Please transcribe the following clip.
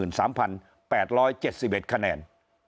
เขาได้๗๓๘๗๑คะแนน